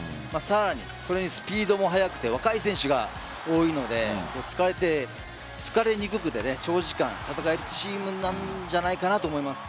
それにスピードも速くて若い選手が多いので疲れにくくて長時間戦えるチームなんじゃないかと思います。